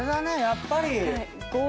やっぱり。